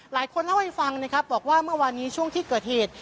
หลายคนเล่าให้ฟังนะครับบอกว่าเมื่อวานนี้ช่วงที่เกิดเหตุ